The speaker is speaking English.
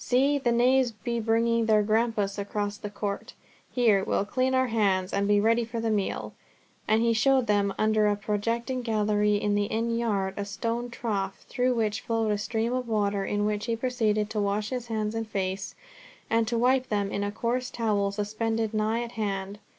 "See, the knaves be bringing their grampus across the court. Here, we'll clean our hands, and be ready for the meal;" and he showed them, under a projecting gallery in the inn yard a stone trough, through which flowed a stream of water, in which he proceeded to wash his hands and face, and to wipe them in a coarse towel suspended nigh at hand.